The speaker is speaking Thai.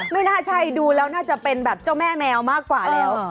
ไม่น่าใช่ดูแล้วน่าจะเป็นแบบเจ้าแม่แมวมากกว่าแล้ว